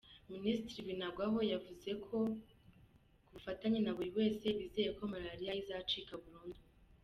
Minisitiri Binagwaho yavuze ko ku bufatanye na buri wese bizeye ko malariya izacika burundu.